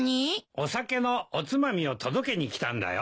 お酒のおつまみを届けに来たんだよ。